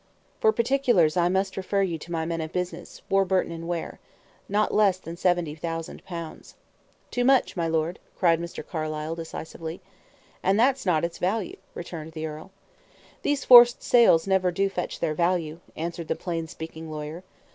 "For particulars I must refer you to my men of business, Warburton & Ware. Not less than seventy thousand pounds." "Too much, my lord," cried Mr. Carlyle, decisively. "And that's not its value," returned the earl. "These forced sales never do fetch their value," answered the plain speaking lawyer.